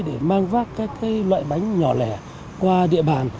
để mang vác các loại bánh nhỏ lẻ qua địa bàn